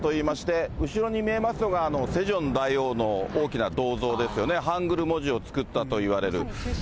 こちらは光化門広場といいまして、後ろに見えますのが、セジョン大王の大きな銅像ですよね、ハングル文字を作ったという。